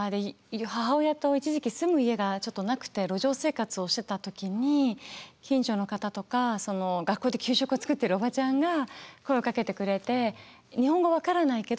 母親と一時期住む家がちょっとなくて路上生活をしてた時に近所の方とか学校で給食を作ってるおばちゃんが声をかけてくれて日本語分からないけど。